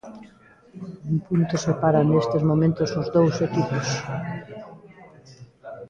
Un punto separa nestes momentos os dous equipos.